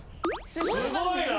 すごいな。